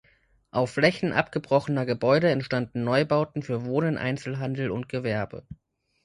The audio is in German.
Auf Flächen abgebrochener Gebäude entstanden Neubauten für Wohnen, Einzelhandel und Gewerbe.